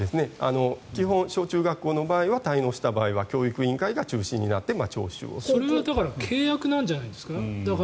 基本、小中学校の場合は滞納した場合は教育委員会が中心となって契約なんじゃないですか？